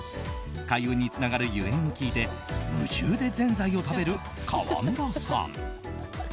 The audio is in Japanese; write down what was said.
開運につながるゆえんを聞いて夢中でぜんざいを食べる川村さん。